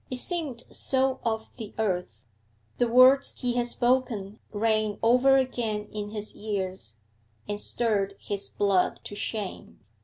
It seemed so of the earth; the words he had spoken rang over again in his ears, and stirred his blood to shame.